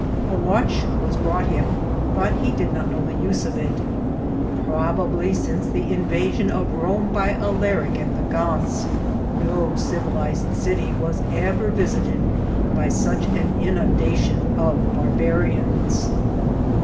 A watch was brought him, but he did not know the use of it. Probably, mace the invarion of Rome by Alaric and the Goths, no civilised city was ever visited by such an inundation of barbarians.